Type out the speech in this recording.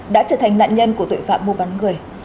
đã trở thành nạn nhân của tội phạm mua bán người